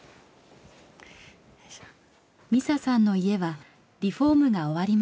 美佐さんの家はリフォームが終わりました。